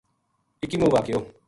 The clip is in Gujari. اکیووں واقعو